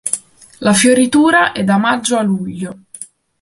La fioritura è da Maggio a Luglio.